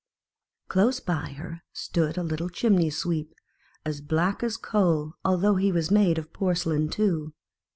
Close by her stood a little Chimney sweep, as black as a coal, although he was made of porcelain too.